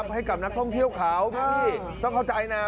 ให้กับนักท่องเที่ยวเขาพี่ต้องเข้าใจนะ